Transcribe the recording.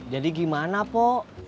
jadi gimana pok